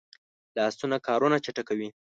لاسونه کارونه چټکوي